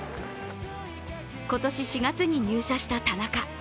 今年４月に入社した田中。